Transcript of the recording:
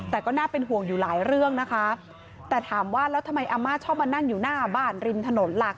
แต่ก็น่าเป็นห่วงอยู่หลายเรื่องนะคะแต่ถามว่าแล้วทำไมอาม่าชอบมานั่งอยู่หน้าบ้านริมถนนหลัก